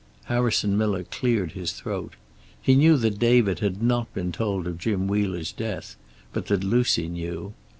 Harrison Miller cleared his throat. He knew that David had not been told of Jim Wheeler's death, but that Lucy knew.